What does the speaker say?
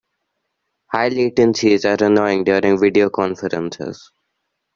High latencies are annoying during video conferences.